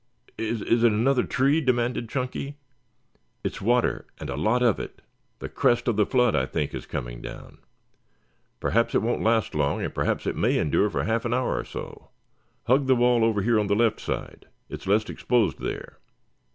Is is it another tree?" demanded Chunky. "It's water and a lot of it. The crest of the flood I think is coming down. Perhaps it won't last long and perhaps it may endure for half an hour or so. Hug the wall over here on the left side. It's less exposed there.